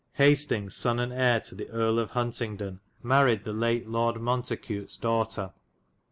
Hastings sonne and heire to the Erie of Huntingdune maried the late Lorde Mountecutes dowghtar.